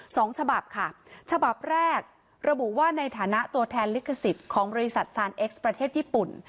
สองฉบับค่ะฉบับแรกระบุว่าในฐานะตัวแทนลิขสิทธิ์ของบริษัทซานเอ็กซ์ประเทศญี่ปุ่น